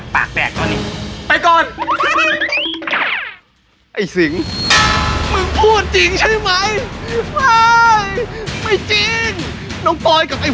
เพราะฉันฝากอยากแตก